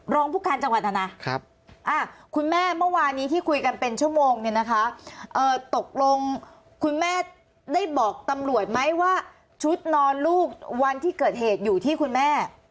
รองผู้การจังหวัดนะนะคุณแม่เมื่อวานนี้ที่คุยกันเป็นชั่วโมงเนี่ยนะคะตกลงคุณแม่ได้บอกตำรวจไหมว่าชุดนอนลูกวันที่เกิดเหตุอยู่ที่คุณแม่